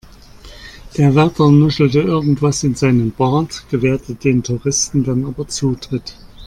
Der Wärter nuschelte irgendwas in seinen Bart, gewährte den Touristen dann aber Zutritt.